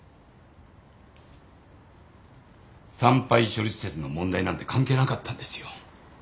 産廃処理施設の問題なんて関係なかったんですよ